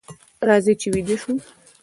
راځئ چې ویده شو.